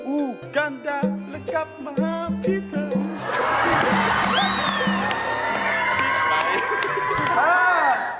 อูกันดาและกับมหาพี่เถิม